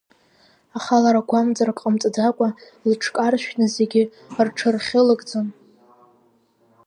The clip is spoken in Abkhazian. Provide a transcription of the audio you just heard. Аха лара гәамҵрак ҟамҵаӡакәа, лыҽкаршәны зегьы рҽырхьылыгӡон.